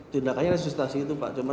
tindakannya resutasi itu pak